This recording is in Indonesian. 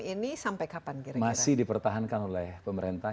ini sampai kapan kira kira masih dipertahankan oleh pemerintah